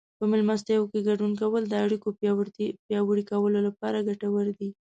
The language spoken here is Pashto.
په مېلمستیاوو کې ګډون کول د اړیکو پیاوړي کولو لپاره ګټور دي.